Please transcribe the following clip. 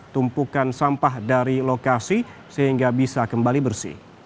tumpukan sampah dari lokasi sehingga bisa kembali bersih